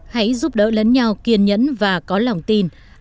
hãy giúp đỡ lẫn nhau kiên nhẫn và có lòng tin